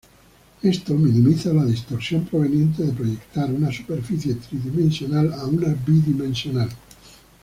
Esto minimiza la distorsión proveniente de proyectar una superficie tridimensional a una bidimensional.